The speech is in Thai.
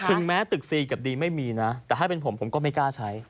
ถึงแม้ตึกซีกับดีไม่มีนะแต่ถ้าเป็นผมผมก็ไม่กล้าใช้